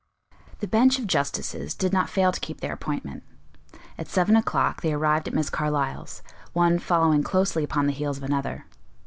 The bench of justices did not fail to keep their appointment; at seven o'clock they arrived at Miss Carlyle's, one following closely upon the heels of another.